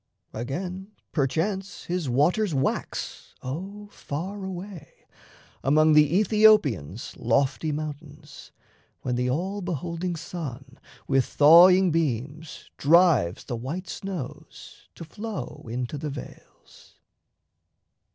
Again, Perchance, his waters wax, O far away, Among the Aethiopians' lofty mountains, When the all beholding sun with thawing beams Drives the white snows to flow into the vales.